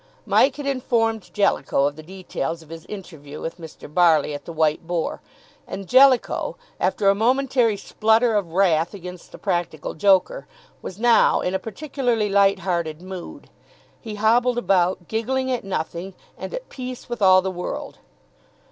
Mike had informed Jellicoe of the details of his interview with Mr. Barley at the "White Boar," and Jellicoe, after a momentary splutter of wrath against the practical joker, was now in a particularly light hearted mood. He hobbled about, giggling at nothing and at peace with all the world.